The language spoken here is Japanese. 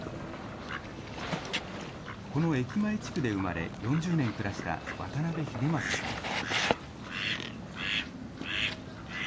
この駅前地区で生まれ、４０年暮らした渡辺英政さん。